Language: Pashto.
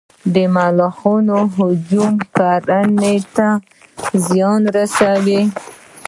د ملخانو هجوم کرنې ته زیان رسوي